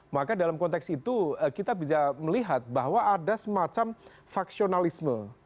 maka dalam konteks itu kita bisa melihat bahwa ada semacam faksionalisme